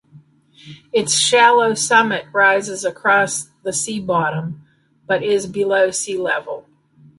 Its shallow summit rises across the sea bottom but is below sea level.